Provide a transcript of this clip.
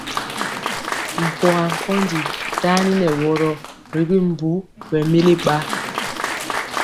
Mpɔga nkondi taniŋeworo ri mbu ɓɛmili ba.